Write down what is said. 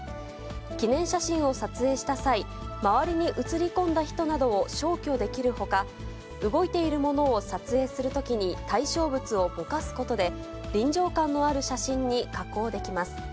記念写真を撮影した際、周りに映り込んだ人などを消去できるほか、動いているものを撮影するときに、対象物をぼかすことで、臨場感のある写真に加工できます。